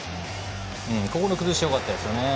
ここの崩しよかったですね。